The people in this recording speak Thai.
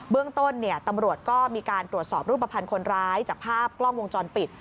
เรื่องต้นตำรวจก็มีการตรวจสอบรูปภัณฑ์คนร้ายจากภาพกล้องวงจรปิด